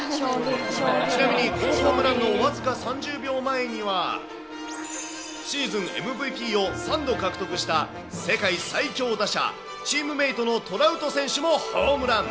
ちなみにこのホームランの僅か３０秒前には、シーズンＭＶＰを３度獲得した世界最強打者、チームメートのトラウト選手もホームラン。